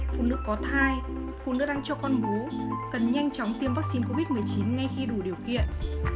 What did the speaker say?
phụ nữ có thai phụ nữ đang cho con bú cần nhanh chóng tiêm vaccine covid một mươi chín ngay khi đủ điều kiện